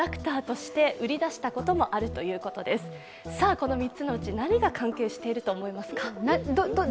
この３つのうち何が関係していると思いますか？